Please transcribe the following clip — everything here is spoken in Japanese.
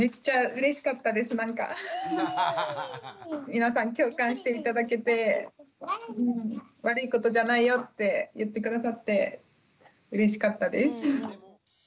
皆さん共感して頂けて悪いことじゃないよって言って下さってうれしかったです。